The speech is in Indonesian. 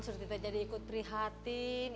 sebenarnya kita ikut perhatian